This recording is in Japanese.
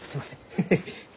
ヘヘッ。